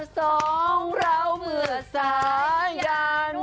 สองเราเมื่อสายัน